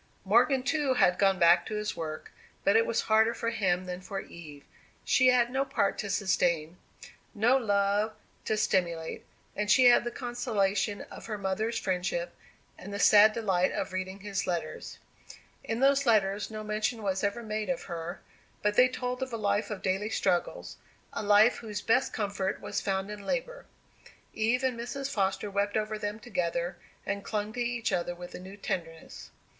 Morgan, too, had gone back to his work, but it was harder for him than for Eve. She had no part to sustain no love to simulate. And she had the consolation of his mother's friendship, and the sad delight of reading his letters. In those letters no mention was ever made of her; but they told of a life of daily struggles a life whose best comfort was found in labour. Eve and Mrs. Foster wept over them together, and clung to each other with a new tenderness.